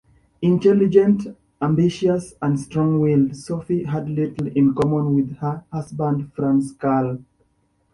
Intelligent, ambitious and strong-willed, Sophie had little in common with her husband Franz Karl.